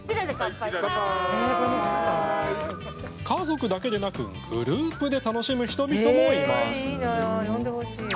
家族だけでなくグループで楽しむ人々もいます。